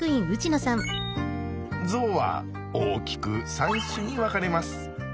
ゾウは大きく３種に分かれます。